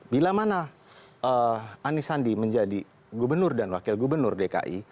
bila mana anies sandi menjadi gubernur dan wakil gubernur dki